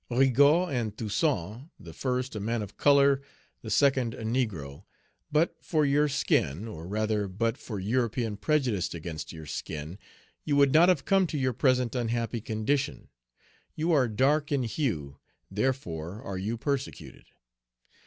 Rigaud and Toussaint, the first a man of color, the second a negro, but for your skin, or rather but for European prejudice against your skin, you would not have come to your present unhappy condition. You are dark in hue, therefore are you persecuted.